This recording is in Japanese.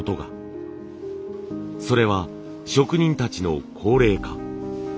それは職人たちの高齢化。